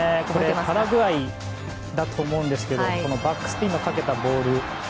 パラグアイだと思うんですけれどバックスピンをかけたボール。